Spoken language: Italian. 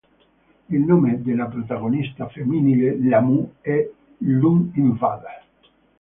Il nome della protagonista femminile Lamù è "Lum Invader".